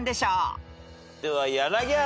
では柳原。